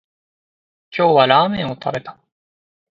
今日はラーメンを食べた